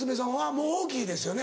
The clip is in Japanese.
もう大きいですよね？